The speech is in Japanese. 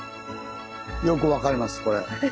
よく分かりますこれ。